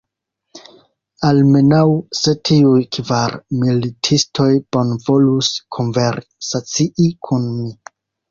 Almenaŭ, se tiuj kvar militistoj bonvolus konversacii kun mi!